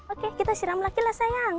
oke kita siram lagi lah sayang